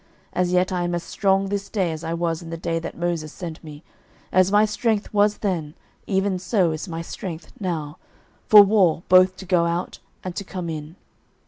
06:014:011 As yet I am as strong this day as I was in the day that Moses sent me: as my strength was then, even so is my strength now, for war, both to go out, and to come in.